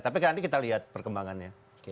tapi nanti kita lihat perkembangannya